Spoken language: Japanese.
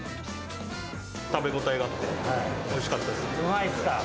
食べ応えがあって、おいしかうまいっすか。